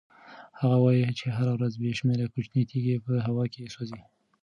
هغه وایي چې هره ورځ بې شمېره کوچنۍ تېږې په هوا کې سوځي.